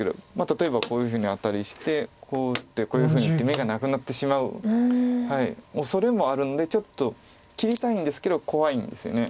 例えばこういうふうにアタリしてこう打ってこういうふうに打って眼がなくなってしまうおそれもあるのでちょっと切りたいんですけど怖いんですよね。